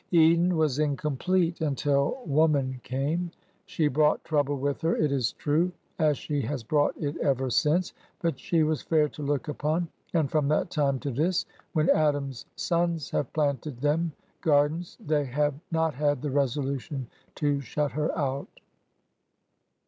Eden was incomplete until woman came. She brought trouble with her, it is true, as she has brought it ever since ; but she was fair to look upon, and from that time to this, when Adam's sons have planted them gardens they have not had the resolution to shut her out.